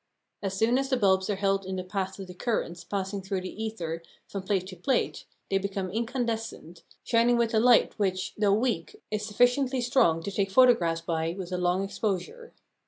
As soon as the bulbs are held in the path of the currents passing through the ether from plate to plate they become incandescent, shining with a light which, though weak, is sufficiently strong to take photographs by with a long exposure.